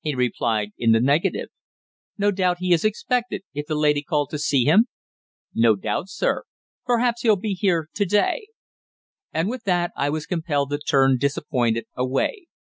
He replied in the negative. "No doubt he is expected, if the lady called to see him?" "No doubt, sir. Perhaps he'll be here to day." And with that, I was compelled to turn disappointed away.